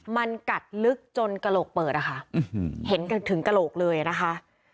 มันกัดลึกจนกระโหลกเปิดอะค่ะเห็นกันถึงกระโหลกเลยนะคะ